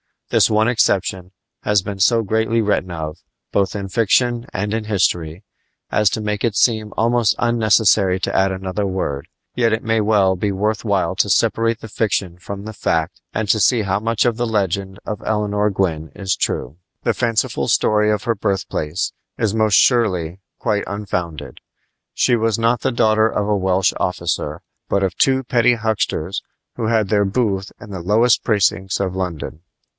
This one exception has been so greatly written of, both in fiction and in history, as to make it seem almost unnecessary to add another word; yet it may well be worth while to separate the fiction from the fact and to see how much of the legend of Eleanor Gwyn is true. The fanciful story of her birthplace is most surely quite unfounded. She was not the daughter of a Welsh officer, but of two petty hucksters who had their booth in the lowest precincts of London.